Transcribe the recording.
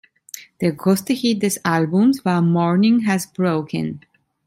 Der größte Hit des Albums war "Morning Has Broken".